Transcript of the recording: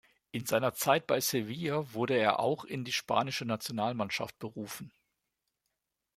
In seiner Zeit bei Sevilla wurde er auch in die spanische Nationalmannschaft berufen.